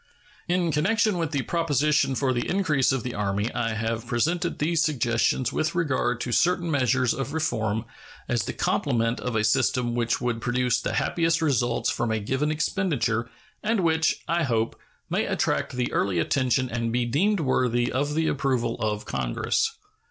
In connection with the proposition for the increase of the Army, I have presented these suggestions with regard to certain measures of reform as the complement of a system which would produce the happiest results from a given expenditure, and which, I hope, may attract the early attention and be deemed worthy of the approval of Congress.